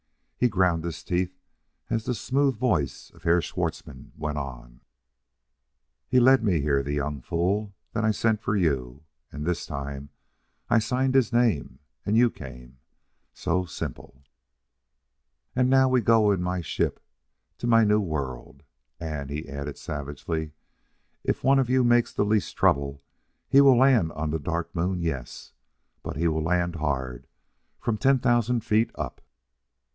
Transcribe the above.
He ground his teeth as the smooth voice of Herr Schwartzmann went on: "He led me here: the young fool! Then I sent for you und this time I signed his name und you came. So simple! "Und now we go in my ship to my new world. And," he added savagely, "if one of you makes the least trouble, he will land on the Dark Moon yess! but he will land hard, from ten thousand feet up!"